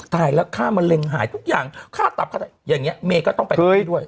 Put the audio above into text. ถ่ายแล้วค่ามะเร็งหายทุกอย่างค่าตับค่าอย่างนี้เมย์ก็ต้องไปช่วยด้วย